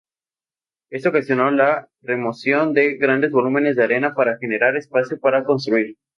Esto ocasionó la remoción de grandes volúmenes de arena para generar espacio para construir.